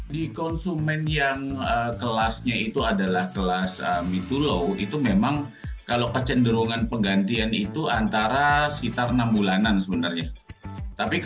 di konsumen yang kelasnya itu adalah kelasnya